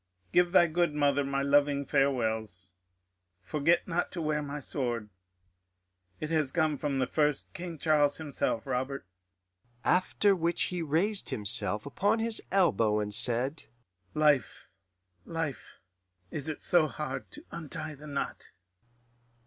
Give thy good mother my loving farewells.... Forget not to wear my sword it has come from the first King Charles himself, Robert.' "After which he raised himself upon his elbow and said, 'Life life, is it so hard to untie the knot?